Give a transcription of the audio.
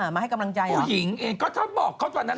มาให้กำลังใจผู้หญิงเองก็ถ้าบอกเขาตอนนั้น